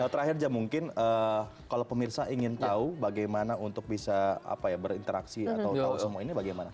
terakhir jam mungkin kalau pemirsa ingin tahu bagaimana untuk bisa berinteraksi atau tahu semua ini bagaimana